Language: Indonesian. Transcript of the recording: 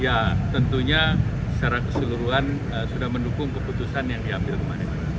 ya tentunya secara keseluruhan sudah mendukung keputusan yang diambil kemarin